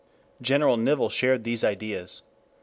General Nivelle shared these ideas.